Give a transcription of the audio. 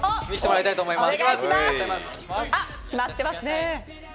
きまってますね。